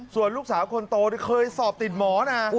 ส่วนลูกสาวคนโตเคยสอบติดหมอนะ